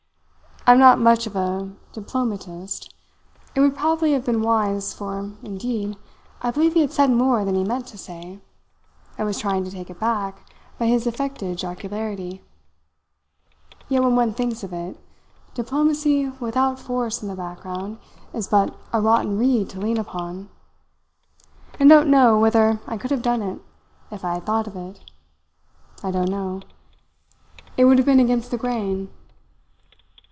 I am not much of a diplomatist. It would probably have been wise, for, indeed, I believe he had said more than he meant to say, and was trying to take it back by this affected jocularity. Yet when one thinks of it, diplomacy without force in the background is but a rotten reed to lean upon. And I don't know whether I could have done it if I had thought of it. I don't know. It would have been against the grain.